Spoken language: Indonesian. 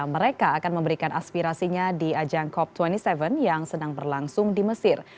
mereka akan memberikan aspirasinya di ajang cop dua puluh tujuh yang sedang berlangsung di mesir